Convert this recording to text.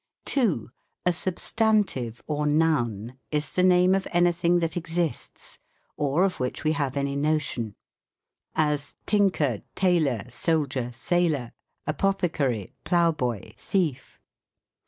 2. A Substantive or Noun is the name of anything that exists, or of which we have any notion ; as, tinker, tailor, soldier, sailor, apothecary, ploughhoy, thief.